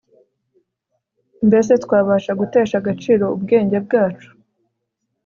mbese twabasha gutesha agaciro ubwenge bwacu